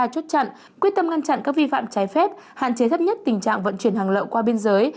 chốt chặn quyết tâm ngăn chặn các vi phạm trái phép hạn chế thấp nhất tình trạng vận chuyển hàng lậu qua biên giới